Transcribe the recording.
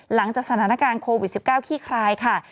หลังจากสถานการณ์โควิด๑๙ขี้คลายค่ะ